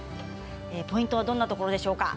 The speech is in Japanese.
ポイントはどんなところでしょうか？